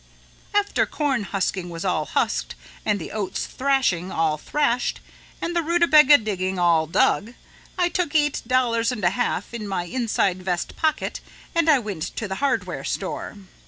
after cornhusking was all husked and the oats thrashing all thrashed and the rutabaga digging all dug, I took eight dollars and a half in my inside vest pocket and I went to the hardware store.